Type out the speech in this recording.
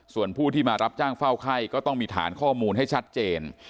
ส่วนผู้ที่มารับจ้างเฝ้าไข้ก็ต้องมีฐานข้อมูลให้ชัดเจน